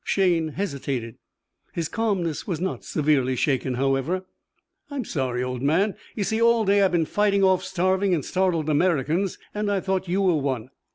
Shayne hesitated. His calmness was not severely shaken, however. "I'm sorry, old man. You see, all day I've been fighting off starving and startled Americans and I thought you were one.